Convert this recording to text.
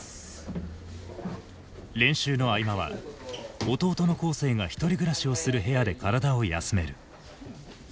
練習の合間は弟の恒成が１人暮らしをする部屋で体を休める。